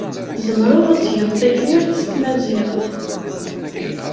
Tzemreḍ ad tgeḍ tafyirt s tmaziɣt.